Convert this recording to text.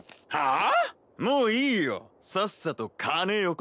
あ！